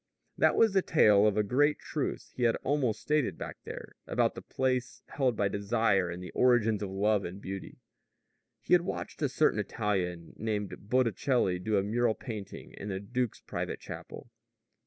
That was the trail of a great truth he had almost stated back there, about the place held by desire in the origins of love and beauty. He had watched a certain Italian named Botticelli do a mural painting in the duke's private chapel.